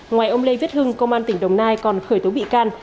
ngoài ông lê viết hưng công an tỉnh đồng nai còn khởi tố bị can